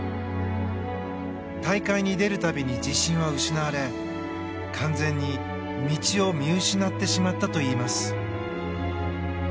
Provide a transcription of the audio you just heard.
大会に出る度に自信は失われ完全に、道を見失ってしまったといいます。